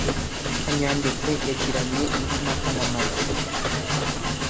Kanyadekwe yagiranye indi mpaka na Mariya.